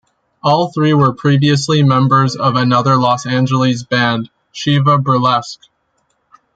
All three were previously members of another Los Angeles band, Shiva Burlesque.